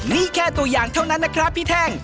นี่แค่ตัวอย่างเท่านั้นนะครับพี่แท่ง